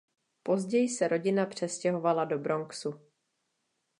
Později se rodina přestěhovala do Bronxu.